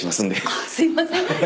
あっすいません。